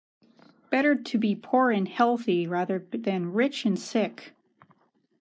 Better to be poor and healthy rather than rich and sick.